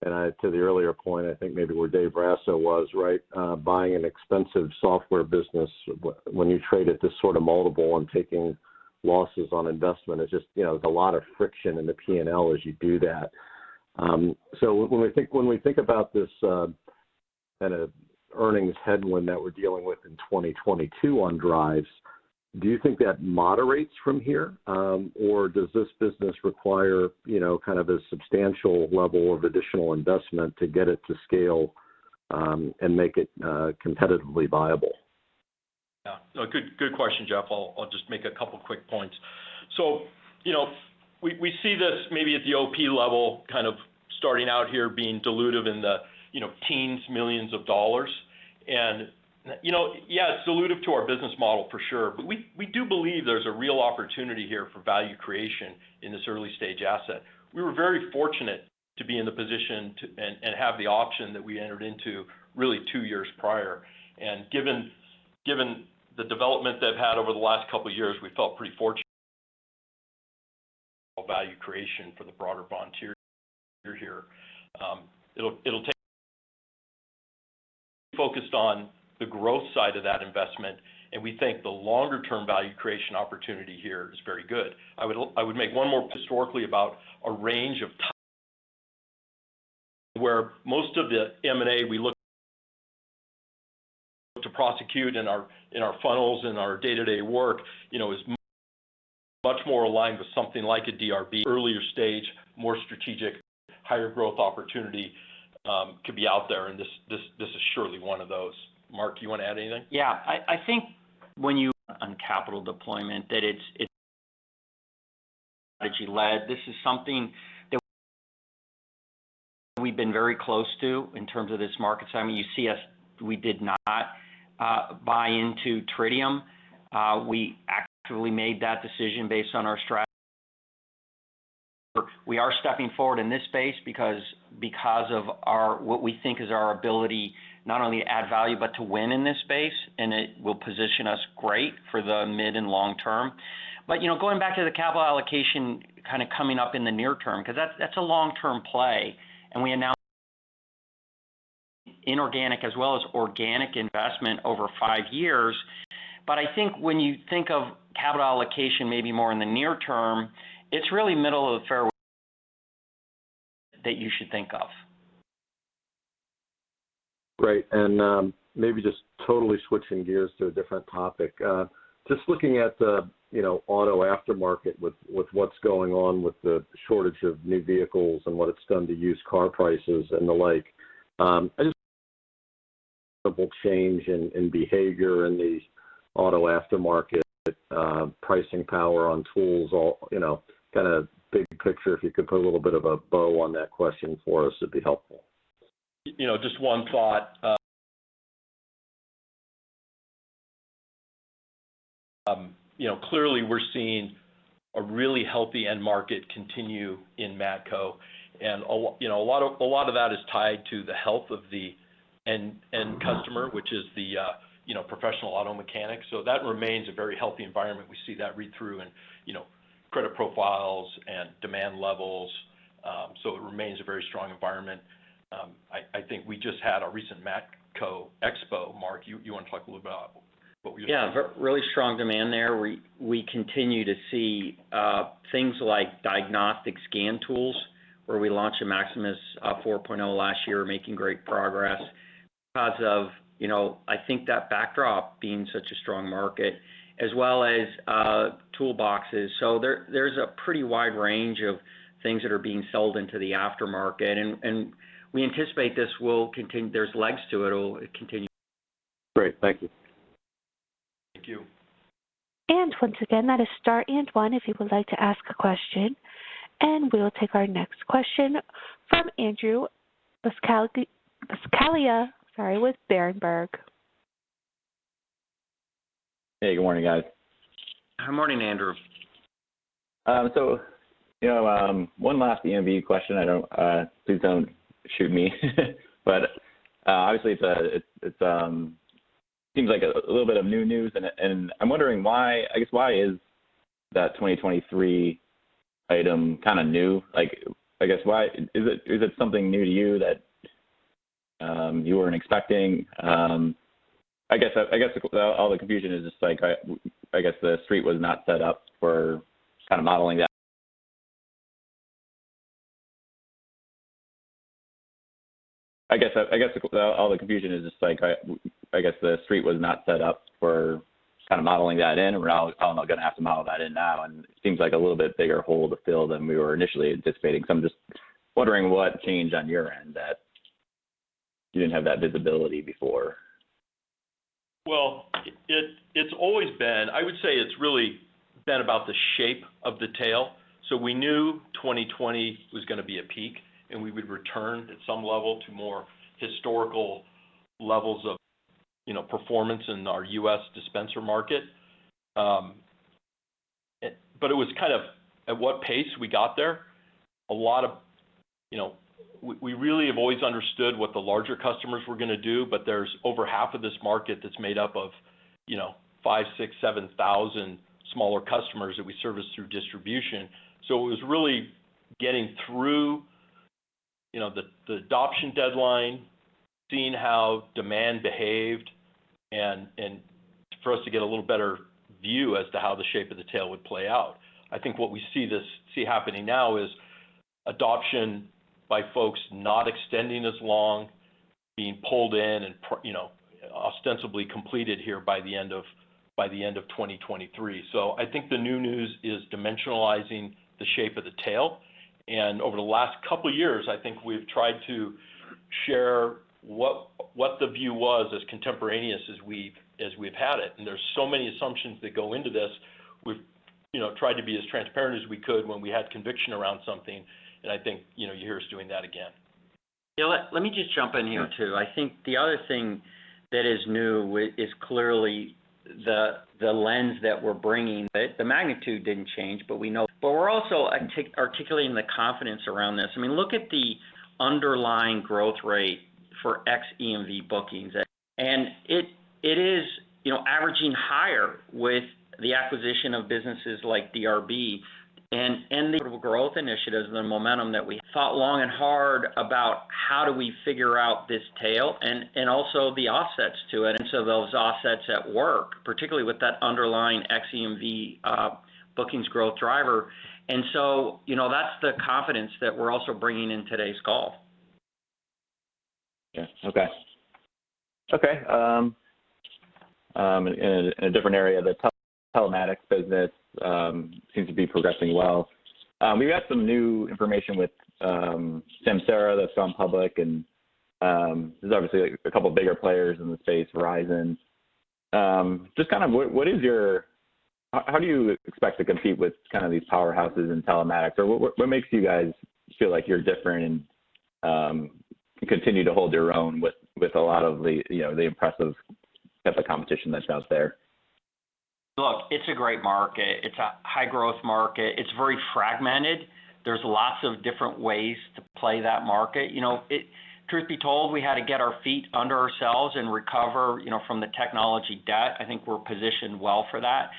To the earlier point, I think maybe where Dave Raso was right, buying an expensive software business when you trade at this sort of multiple and taking losses on investment is just, you know, there's a lot of friction in the P&L as you do that. So when we think about this kind of earnings headwind that we're dealing with in 2022 on Driivz, do you think that moderates from here? Does this business require, you know, kind of a substantial level of additional investment to get it to scale, and make it competitively viable? Yeah. No, good question, Jeff. I'll just make a couple of quick points. So, you know, we see this maybe at the OP level kind of starting out here being dilutive in the $10 million-$19 million. Yeah, it's additive to our business model for sure. But we do believe there's a real opportunity here for value creation in this early stage asset. We were very fortunate to be in the position to have the option that we entered into really two years prior. Given the development they've had over the last couple of years, we felt pretty fortunate value creation for the broader Vontier here. Focused on the growth side of that investment, and we think the longer-term value creation opportunity here is very good. I would make one more point historically about a range of types where most of the M&A we look to prosecute in our funnels and our day-to-day work, you know, is much more aligned with something like a DRB, earlier stage, more strategic, higher growth opportunity, could be out there. This is surely one of those. Mark, you want to add anything? Yeah. I think on capital deployment, that it's strategy led. This is something that we've been very close to in terms of this market. I mean, you see, we did not buy into Tritium. We actually made that decision based on our strategy. We are stepping forward in this space because of our what we think is our ability not only to add value, but to win in this space, and it will position us great for the mid and long term. You know, going back to the capital allocation kind of coming up in the near term, 'cause that's a long-term play, and we announced inorganic as well as organic investment over five years. I think when you think of capital allocation, maybe more in the near term, it's really middle of the fairway that you should think of. Right. Maybe just totally switching gears to a different topic. Just looking at the, you know, auto aftermarket with what's going on with the shortage of new vehicles and what it's done to used car prices and the like, change in behavior in the auto aftermarket, pricing power on tools, all, you know, kind of big picture, if you could put a little bit of a bow on that question for us, it'd be helpful. You know, just one thought. You know, clearly we're seeing a really healthy end market continue in Matco. You know, a lot of that is tied to the health of the end customer, which is the, you know, professional auto mechanic. That remains a very healthy environment. We see that read through and, you know, credit profiles and demand levels. It remains a very strong environment. I think we just had a recent Matco Tools Expo. Mark, you want to talk a little about what we- Yeah. Really strong demand there. We continue to see things like diagnostic scan tools where we launched a Maximus 4.0 last year making great progress because of, you know, I think that backdrop being such a strong market as well as toolboxes. So there's a pretty wide range of things that are being sold into the aftermarket. We anticipate this will continue. There's legs to it. It'll continue. Great. Thank you. Thank you. Once again, that is star one if you would like to ask a question. We'll take our next question from Andrew Buscaglia, sorry, with Berenberg. Hey, good morning, guys. Good morning, Andrew. You know, one last EMV question. I don't please don't shoot me. Obviously, it's a little bit of new news. I'm wondering why, I guess, why is that 2023 item kind of new? Like, I guess, why? Is it something new to you that you weren't expecting? I guess all the confusion is just like, I guess, the street was not set up for kind of modeling that. I guess all the confusion is just like, I guess, the street was not set up for kind of modeling that in. We're now all of a sudden gonna have to model that in now, and it seems like a little bit bigger hole to fill than we were initially anticipating. I'm just wondering what changed on your end that you didn't have that visibility before? It's always been. I would say it's really been about the shape of the tail. We knew 2020 was gonna be a peak, and we would return at some level to more historical levels of, you know, performance in our U.S. dispenser market. But it was kind of at what pace we got there. We really have always understood what the larger customers were gonna do, but there's over half of this market that's made up of, you know, 5,000-7,000 smaller customers that we service through distribution. It was really getting through, you know, the adoption deadline, seeing how demand behaved and for us to get a little better view as to how the shape of the tail would play out. I think what we see happening now is adoption by folks not extending as long, being pulled in and, you know, ostensibly completed here by the end of 2023. I think the new news is dimensionalizing the shape of the tail. Over the last couple of years, I think we've tried to share what the view was as contemporaneous as we've had it. There's so many assumptions that go into this. We've, you know, tried to be as transparent as we could when we had conviction around something. I think, you know, you hear us doing that again. Yeah. Let me just jump in here too. Yeah. I think the other thing that is new is clearly the lens that we're bringing. The magnitude didn't change, but we know. We're also articulating the confidence around this. I mean, look at the underlying growth rate for ex-EMV bookings. It is, you know, averaging higher with the acquisition of businesses like DRB and the growth initiatives and the momentum that we thought long and hard about how do we figure out this tail and also the offsets to it. Those offsets at work, particularly with that underlying ex-EMV bookings growth driver. You know, that's the confidence that we're also bringing in today's call. Yeah. Okay. In a different area, the telematics business seems to be progressing well. We've had some new information with Samsara that's gone public, and there's obviously a couple bigger players in the space, Verizon. Just kind of what is your. How do you expect to compete with kind of these powerhouses in telematics? Or what makes you guys feel like you're different and continue to hold your own with a lot of the, you know, the impressive set of competition that's out there? Look, it's a great market. It's a high growth market. It's very fragmented. There's lots of different ways to play that market. You know, it truth be told, we had to get our feet under ourselves and recover, you know, from the technology debt. I think we're positioned well for that.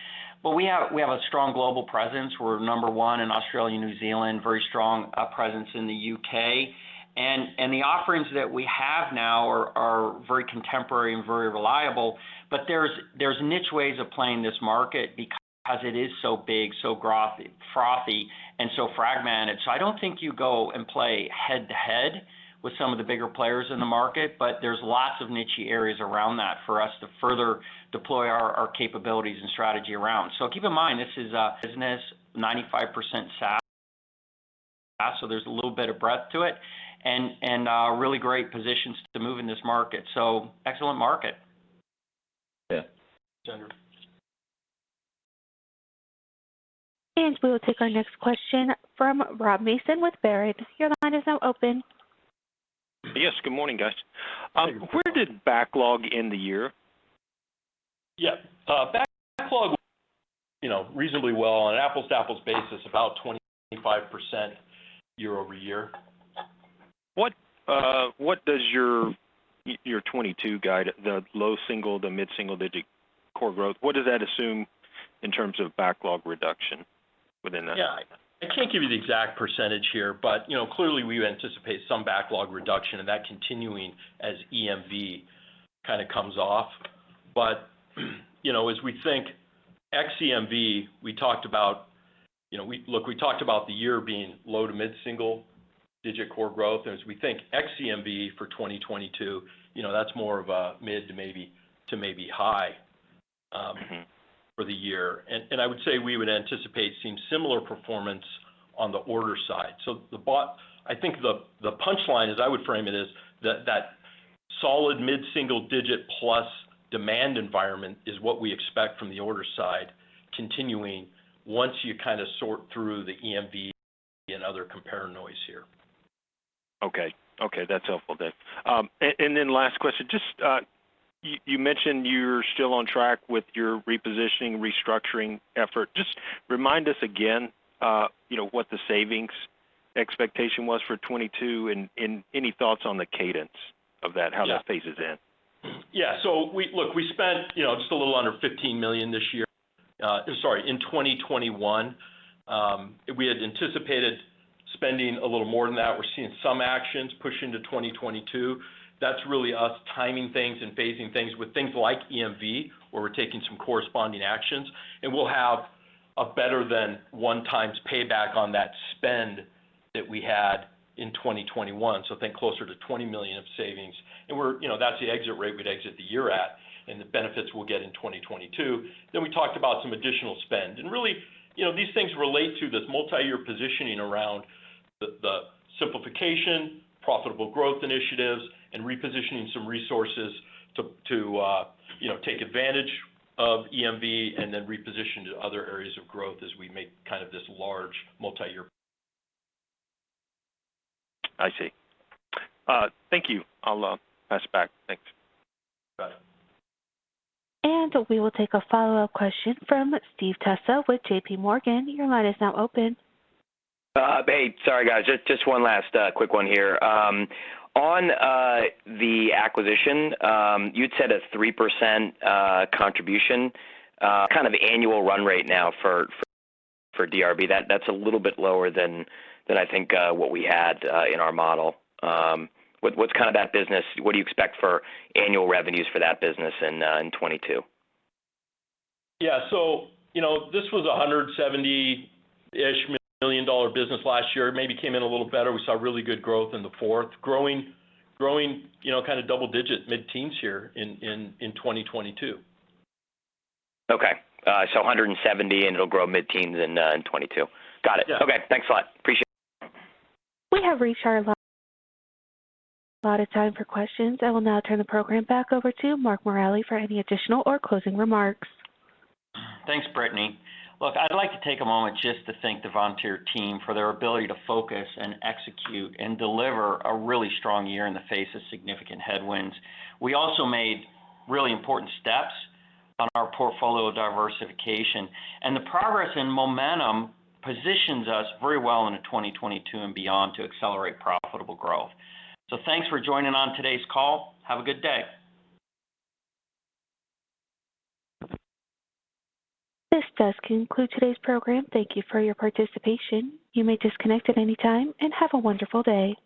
We have a strong global presence. We're number one in Australia, New Zealand, very strong presence in the U.K. The offerings that we have now are very contemporary and very reliable. There's niche ways of playing this market because it is so big, so frothy and so fragmented. I don't think you go and play head-to-head with some of the bigger players in the market, but there's lots of niche-y areas around that for us to further deploy our capabilities and strategy around. Keep in mind, this is a business 95% SaaS, so there's a little bit of breadth to it and really great positions to move in this market. Excellent market. Yeah. Thanks Andrew. We will take our next question from Rob Mason with Baird. Your line is now open. Yes. Good morning, guys. Good morning. Where did backlog end the year? Yeah. Backlog, you know, reasonably well on an apples-to-apples basis, about 25% YoY. What, what does your 2022 guide, the low single- to mid-single-digit core growth, what does that assume in terms of backlog reduction within that? Yeah. I can't give you the exact percentage here, but you know, clearly we anticipate some backlog reduction and that continuing as EMV kind of comes off. You know, as we think ex-EMV, we talked about, you know, Look, we talked about the year being low- to mid-single-digit core growth. As we think ex-EMV for 2022, you know, that's more of a mid- to maybe high. Mm-hmm for the year. I would say we would anticipate seeing similar performance on the order side. I think the punchline as I would frame it is that solid mid-single digit plus demand environment is what we expect from the order side continuing once you kind of sort through the EMV and other compare noise here. Okay, that's helpful, Dave. Last question. Just you mentioned you're still on track with your repositioning, restructuring effort. Just remind us again, you know, what the savings expectation was for 2022 and any thoughts on the cadence of that. Yeah how that phases in. We spent, you know, just a little under $15 million this year, sorry, in 2021. We had anticipated spending a little more than that. We're seeing some actions push into 2022. That's really us timing things and phasing things with things like EMV, where we're taking some corresponding actions, and we'll have a better than 1x payback on that spend that we had in 2021. Think closer to $20 million of savings. We're, you know, that's the exit rate we'd exit the year at, and the benefits we'll get in 2022. We talked about some additional spend. Really, you know, these things relate to this multi-year positioning around the simplification, profitable growth initiatives, and repositioning some resources to, you know, take advantage of EMV and then reposition to other areas of growth as we make kind of this large multi-year. I see. Thank you. I'll pass it back. Thanks. Got it. We will take a follow-up question from Steve Tusa with J.P. Morgan. Your line is now open. Hey. Sorry, guys, just one last quick one here. On the acquisition, you'd said a 3% contribution kind of annual run rate now for DRB. That's a little bit lower than I think what we had in our model. What's kind of that business? What do you expect for annual revenues for that business in 2022? Yeah. You know, this was a $170 million-ish business last year. Maybe came in a little better. We saw really good growth in the fourth. Growing, you know, kind of double-digit mid-teens here in 2022. $170 million, and it'll grow mid-teens in 2022. Yeah. Got it. Okay. Thanks a lot. Appreciate it. We have reached our last. We're out of time for questions. I will now turn the program back over to Mark Morelli for any additional or closing remarks. Thanks, Brittany. Look, I'd like to take a moment just to thank the Vontier team for their ability to focus and execute and deliver a really strong year in the face of significant headwinds. We also made really important steps on our portfolio diversification. The progress and momentum positions us very well into 2022 and beyond to accelerate profitable growth. Thanks for joining on today's call. Have a good day. This does conclude today's program. Thank you for your participation. You may disconnect at any time, and have a wonderful day.